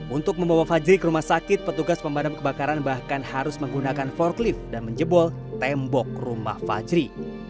untuk membawa fajri ke rumah sakit petugas pemadam kebakaran bahkan harus menggunakan forklift dan menjebol tembok rumah fajri